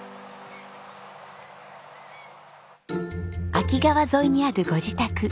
秋川沿いにあるご自宅。